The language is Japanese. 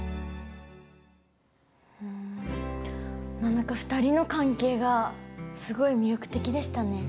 何だか２人の関係がすごい魅力的でしたね。